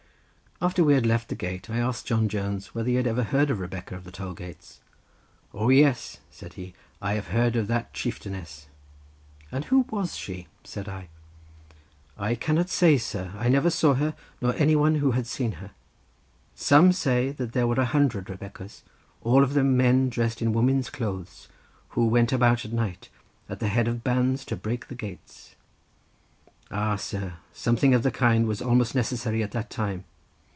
After we had left the gate I asked John Jones whether he had ever heard of Rebecca of the toll gates. "O, yes," said he; "I have heard of that chieftainess." "And who was she?" said I. "I cannot say, sir: I never saw her, nor any one who had seen her. Some say that there were a hundred Rebeccas, and all of them men dressed in women's clothes, who went about at night, at the head of bands to break the gates. Ah, sir, something of the kind was almost necessary at that time.